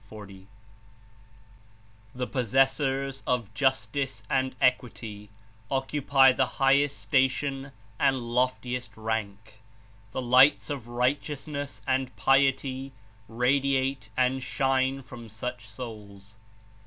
95 ^'The possessors of Justice and Equity occupy the highest station and loftiest rank: the lights of Right eousness and Piety radiate and shine from such souls.